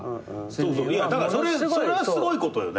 いやだからそれはすごいことよね。